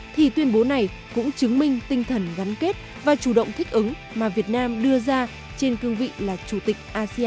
thì tuyên bố này cũng chứng minh tinh thần gắn kết và chủ động thích ứng mà việt nam đưa ra trên cương vị là chủ tịch